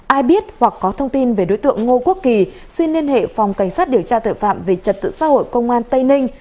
ai biết hoặc có thông tin về đối tượng ngô quốc kỳ xin liên hệ phòng cảnh sát điều tra tội phạm về trật tự xã hội công an tây ninh